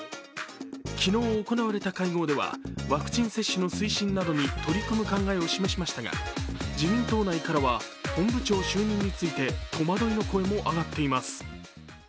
昨日行われた会合では、ワクチン接種の推進などに取り組む考えを示しましたが自民党内からは本部長就任について戸惑いの声も上がっています。